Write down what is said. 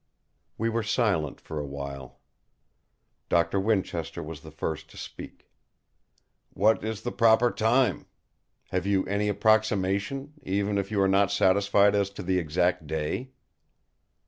We were silent for a while. Doctor Winchester was the first to speak: "What is the proper time? Have you any approximation, even if you are not satisfied as to the exact day?"